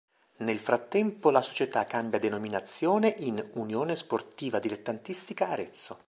Nel frattempo la società cambia denominazione in "Unione Sportiva Dilettantistica Arezzo".